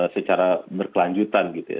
secara berkelanjutan gitu ya